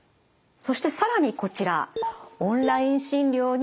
そして更にこちら。